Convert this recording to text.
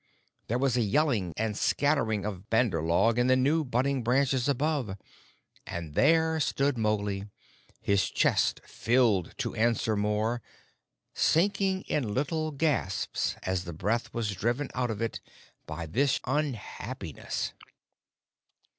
There was a yelling and scattering of bandar log in the new budding branches above, and there stood Mowgli, his chest, filled to answer Mor, sinking in little gasps as the breath was driven out of it by this unhappiness.